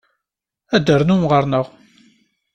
Ad d-ternum ɣer-neɣ?